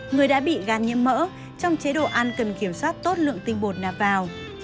người đã bị gan nhiễm mỡ trong chế độ ăn cần kiểm soát tốt lượng tinh bột nạp vào